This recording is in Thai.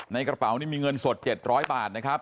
ในกระเป๋านี่มีเงินสด๗๐๐บาทนะครับ